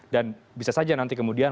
bisa saja nanti kemudian